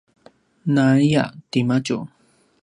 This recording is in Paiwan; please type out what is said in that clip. naaya timadju